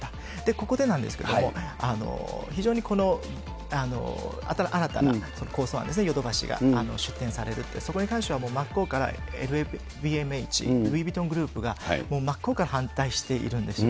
ここでなんですけども、非常にこの新たな構想案ですね、ヨドバシが出店されるって、そこに関してはもう真っ向から、ルイ・ヴィトングループが反対しているんですよ。